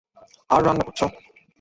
আর রান্না করছো।